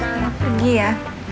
kita pergi ya